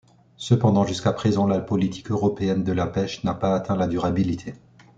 Cependant, jusqu'à présent, la politique européenne de la pêche n'a pas atteint la durabilité.